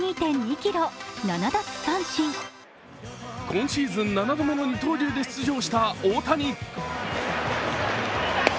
今シーズン７度目の二刀流で出場した大谷。